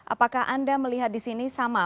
apakah anda melihat di sini sama